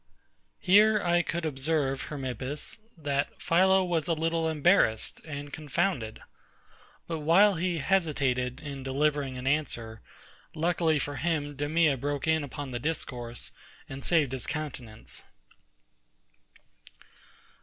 Here I could observe, HERMIPPUS, that PHILO was a little embarrassed and confounded: But while he hesitated in delivering an answer, luckily for him, DEMEA broke in upon the discourse, and saved his countenance.